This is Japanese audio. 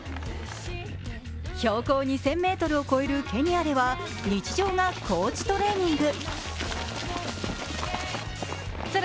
標高２０００ｍを超えるケニアでは日常が高地トレーニング。